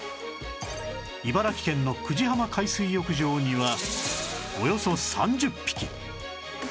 茨城県の久慈浜海水浴場にはおよそ３０匹！